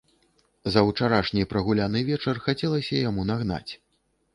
За ўчарашні прагуляны вечар хацелася яму нагнаць.